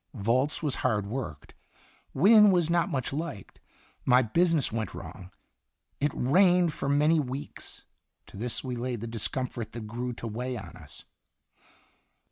Volz was hard worked. Wynne was not much liked. My business went wrong. It rained for many weeks; to this we laid the discomfort that grew to weigh on us.